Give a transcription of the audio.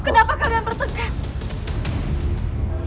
kenapa kalian bertekad